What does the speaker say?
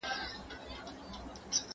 ¬ په سپين سر، ململ پر سر.